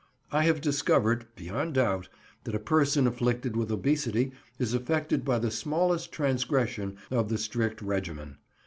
I have discovered, beyond doubt, that a person afflicted with obesity is affected by the smallest transgression of the strict regimen.